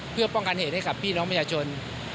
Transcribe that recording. เพื่อป้องกันเหตุให้กับพี่น้องประชาชน